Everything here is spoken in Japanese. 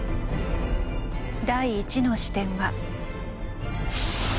第１の視点は。